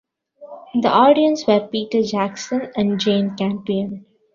In the audience were Peter Jackson and Jane Campion.